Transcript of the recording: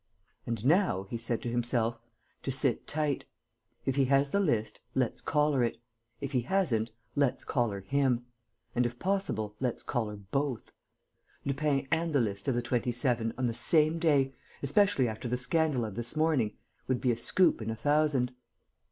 "And now," he said to himself, "to sit tight. If he has the list, let's collar it. If he hasn't, let's collar him. And, if possible, let's collar both. Lupin and the list of the Twenty seven, on the same day, especially after the scandal of this morning, would be a scoop in a thousand."